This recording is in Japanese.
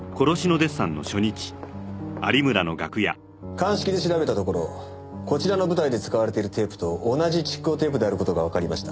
鑑識で調べたところこちらの舞台で使われているテープと同じ蓄光テープである事がわかりました。